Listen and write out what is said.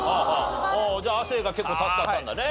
じゃあ亜生が結構助かったんだね。